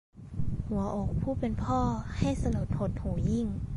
หัวอกผู้เป็นพ่อให้สลดหดหู่ยิ่ง